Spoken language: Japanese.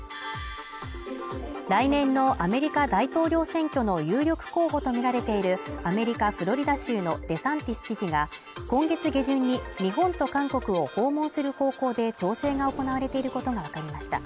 来年のアメリカ大統領選挙の有力候補と見られているアメリカ・フロリダ州のデサンティス知事が今月下旬に日本と韓国を訪問する方向で調整が行われていることがわかりました。